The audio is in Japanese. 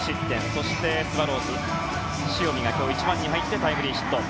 そして、スワローズの塩見が１番に入ってタイムリーヒット。